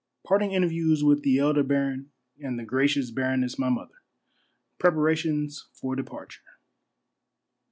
— PART ING INTERVIEWS WITH THE ELDER BARON AND THE GRACIOUS BARONESS MY MOTHER. — PREPARATIONS FOR DEPARTURE.